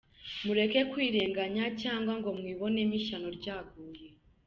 Mureke kwirenganya cyangwa ngo mubibonemo ishyano ryaguye.